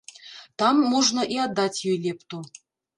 Там можна і аддаць ёй лепту.